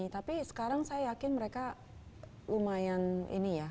tapi sekarang saya yakin mereka lumayan ini ya